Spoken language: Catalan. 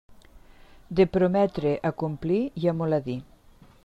De prometre a complir hi ha molt a dir.